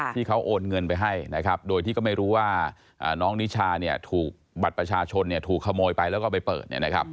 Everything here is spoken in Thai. ที่เขาโอนเงินไปให้นะครับโดยที่ก็ไม่รู้ว่าน้องนิชาถูกบัตรประชาชนถูกขโมยไปแล้วก็ไปเปิด